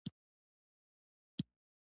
د ده په زړه کې بد کارونه دي ډېر خراب.